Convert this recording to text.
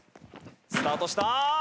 スタートした！